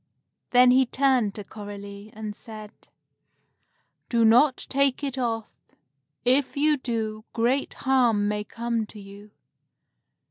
Then he turned to Coralie, and said, "Do not take it off. If you do, great harm may come to you.